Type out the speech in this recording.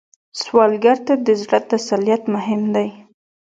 سوالګر ته د زړه تسلیت مهم دی